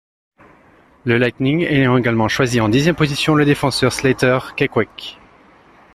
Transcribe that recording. Le Lightning ayant également choisi en dixième position le défenseur Slater Koekkoek.